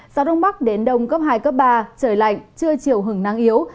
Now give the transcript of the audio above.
gió đông bắc đến đông cấp hai cấp ba trời lạnh chưa chiều hứng năng yếu